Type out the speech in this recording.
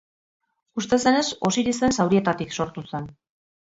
Uste zenez, Osirisen zaurietatik sortu zen.